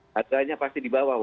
harganya pasti di bawah